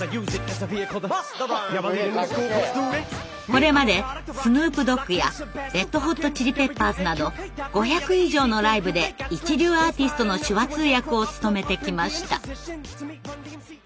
これまでスヌープ・ドッグやレッド・ホット・チリ・ペッパーズなど５００以上のライブで一流アーティストの手話通訳を務めてきました。